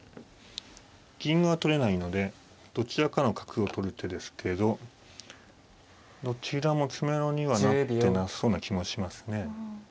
銀が取れないのでどちらかの角を取る手ですけどどちらも詰めろにはなってなさそうな気もしますね。